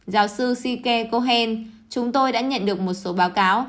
giáo sư sike cohen chúng tôi đã nhận được một số báo cáo